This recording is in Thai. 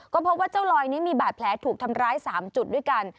ก็พบว่าเจ้าลอยนี้มีบาดแผลถูกทำร้าย๓จุดด้วยกัน